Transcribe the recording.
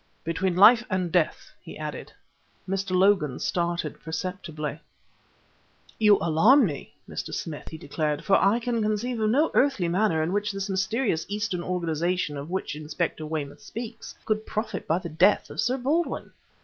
"Between life and death," he added. Mr. Logan started perceptibly. "You alarm me, Mr. Smith," he declared; "for I can conceive of no earthly manner in which this mysterious Eastern organization of which Inspector Weymouth speaks, could profit by the death of Sir Baldwin."